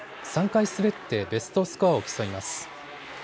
３回滑ってベストスコアを競います。